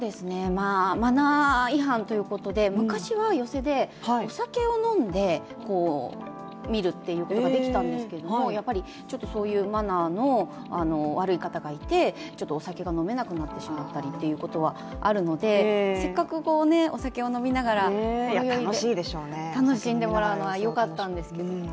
マナー違反ということで、昔は寄席でお酒を飲んで見ることができたんですけどもやっぱりそういうマナーの悪い方がいて、お酒が飲めなくなってしまったりっていうことはあるので、せっかくお酒を飲みながら楽しんでもらうのがよかったんですけど。